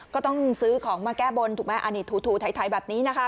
ก็ต้องซื้อของมาแก้บนถูกไหมอันนี้ถูไถแบบนี้นะคะ